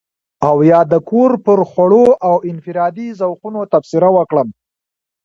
او يا د کور پر خوړو او انفرادي ذوقونو تبصره وکړم.